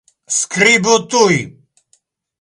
Skribu tuj.